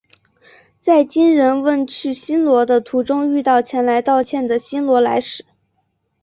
在金仁问去新罗的途中遇到前来道歉的新罗来使。